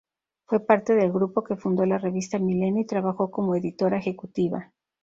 Fue parte del grupo que fundó la revista "Milenio" y trabajó como Editora Ejecutiva.